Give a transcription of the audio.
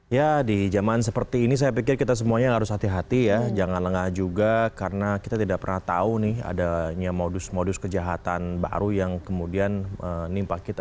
ya di zaman seperti ini saya pikir kita semuanya harus hati hati ya jangan lengah juga karena kita tidak pernah tahu nih adanya modus modus kejahatan baru yang kemudian menimpa kita